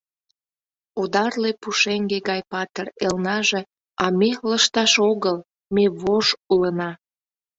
Одарле пушеҥге гай патыр элнаже, а ме лышташ огыл, ме вож улына.